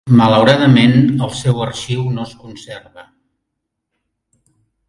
Malauradament el seu arxiu no es conserva.